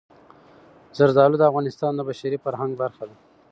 زردالو د افغانستان د بشري فرهنګ برخه ده.